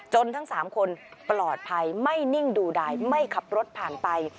ทั้ง๓คนปลอดภัยไม่นิ่งดูดายไม่ขับรถผ่านไป